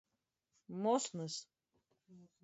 Mosnys.